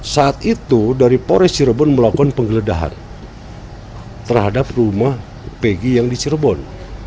saat itu dari polres cirebon melakukan penggeledahan terhadap rumah pegi yang di cirebon